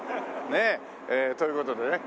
ねえ。という事でね